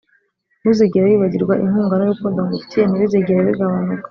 ntuzigere wibagirwa, inkunga nurukundo ngufitiye ntibizigera bigabanuka.